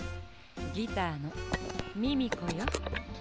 ギターのミミコよ。